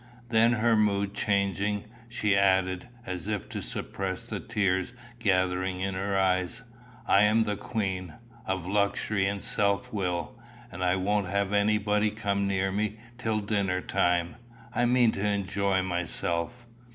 Then, her mood changing, she added, as if to suppress the tears gathering in her eyes, "I am the queen of luxury and self will and I won't have anybody come near me till dinner time. I mean to enjoy myself."